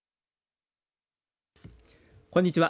こんにちは。